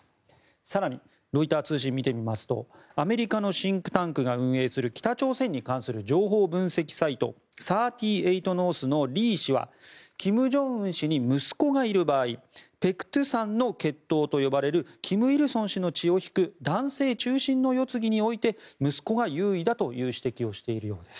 更に、ロイター通信を見てみますとアメリカのシンクタンクが運営する北朝鮮に関する情報分析サイト３８ノースのリー氏は金正恩氏に息子がいる場合白頭山の血統と呼ばれる金日成氏の血を引く男性中心の世継ぎにおいて息子が優位だという指摘をしているようです。